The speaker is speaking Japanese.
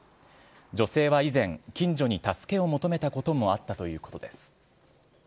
女性は以前、近所に助けを求めたこともあったということです。